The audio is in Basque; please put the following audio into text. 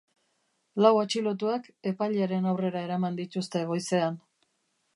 Lau atxilotuak epailearen aurrera eraman dituzte goizean.